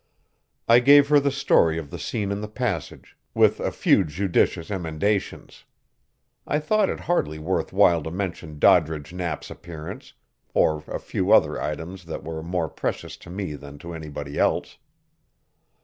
I gave her the story of the scene in the passage, with a few judicious emendations. I thought it hardly worth while to mention Doddridge Knapp's appearance, or a few other items that were more precious to me than to anybody else.